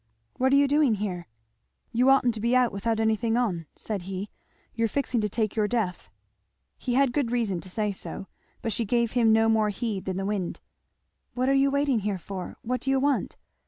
"What are you doing here?" "You oughtn't to be out without anything on," said he, "you're fixing to take your death." He had good reason to say so. But she gave him no more heed than the wind. "What are you waiting here for? What do you want?"